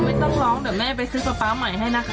ไม่ต้องร้องเดี๋ยวแม่ไปซื้อป๊าป๊าใหม่ให้นะครับ